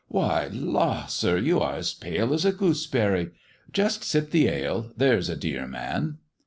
Why, la, sir, you are as pale as a goose berry. Just sip the ale, there's a dear man."